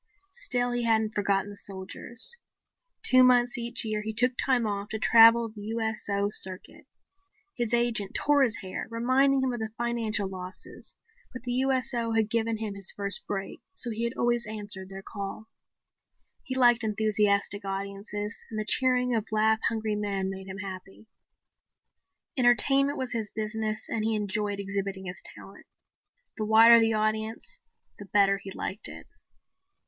Still he hadn't forgotten the soldiers. Two months each year he took time off to travel the USO circuit. His agent tore his hair, reminding him of the financial losses, but the USO had given him his first break so he had always answered their call. He liked enthusiastic audiences and the cheering of laugh hungry men made him happy. Entertainment was his business and he enjoyed exhibiting his talent. The wider the audience the better he liked it.